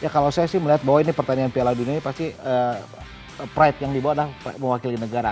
kalau saya sih melihat bahwa ini pertandingan piala dunia ini pasti pride yang dibawa adalah mewakili negara